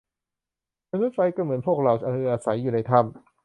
มนุษย์ไฟก็เหมือนพวกเรา คืออาศัยอยู่ในถ้ำ